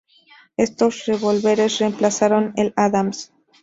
Estos revólveres reemplazaron al Adams.